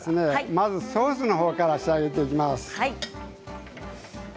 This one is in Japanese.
まずソースのほうから仕上げていきます。